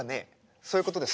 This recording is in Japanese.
そういうことです。